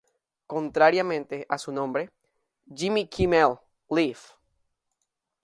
Contrariamente a su nombre, "Jimmy Kimmel Live!